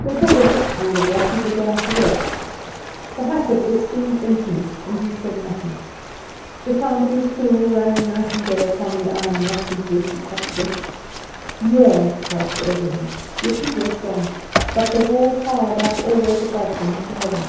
Before the next wall of rock he began to work. The height of this seemed infinite, and he said nothing. The sound of his tool rang night and day upon the iron rocks into which he cut steps. Years passed over him, yet he worked on; but the wall towered up always above him to heaven.